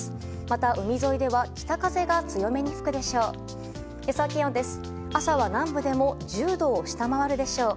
また、海沿いでは北風が強めに吹くでしょう。